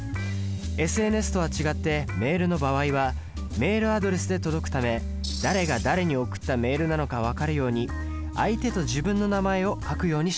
ＳＮＳとは違ってメールの場合はメールアドレスで届くため誰が誰に送ったメールなのか分かるように相手と自分の名前を書くようにしましょう。